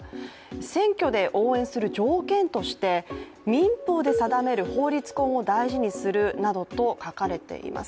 選挙で応援する条件として民法で定める法律婚を大事にするなどと書かれています。